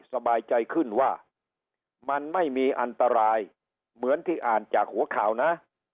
สบายใจขึ้นว่ามันไม่มีอันตรายเหมือนที่อ่านจากหัวข่าวนะ